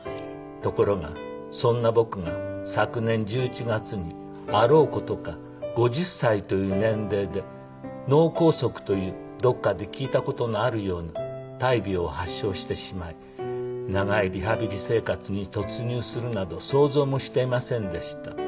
「ところがそんな僕が昨年１１月にあろう事か５０歳という年齢で脳梗塞というどこかで聞いた事のあるような大病を発症してしまい長いリハビリ生活に突入するなど想像もしていませんでした」